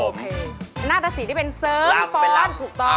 โอเคหน้าตะสินที่เป็นเสริงฟ้อนถูกต้อง